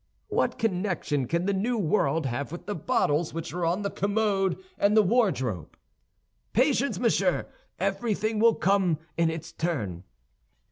"What connection can the New World have with the bottles which are on the commode and the wardrobe?" "Patience, monsieur, everything will come in its turn."